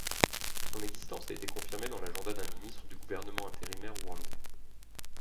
Son existence a été confirmée dans l'agenda d'un ministre du gouvernement intérimaire rwandais.